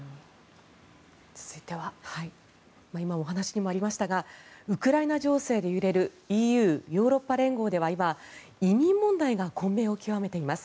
今お話にもありましたがウクライナ情勢で揺れるＥＵ・ヨーロッパ連合では今移民問題が混迷を極めています。